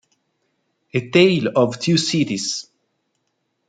A Tale of Two Cities